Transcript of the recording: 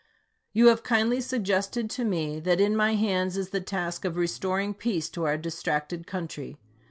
You have kindly suggested to me that in my hands is the task of restoring peace to our distracted country.